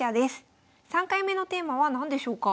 ３回目のテーマは何でしょうか？